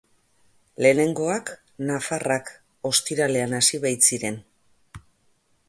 Lehenengoak, nafarrak, ostiralean hasi baitziren.